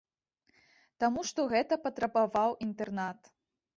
Таму што гэта патрабаваў інтэрнат.